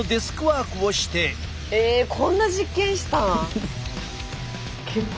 えこんな実験したん？